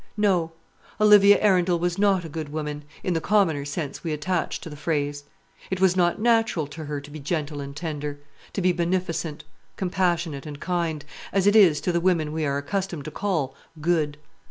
No; Olivia Arundel was not a good woman, in the commoner sense we attach to the phrase. It was not natural to her to be gentle and tender, to be beneficent, compassionate, and kind, as it is to the women we are accustomed to call "good."